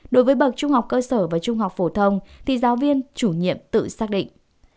đối với bậc trung học cơ sở và trung học phổ thông thì giáo viên chủ nhiệm tự xác định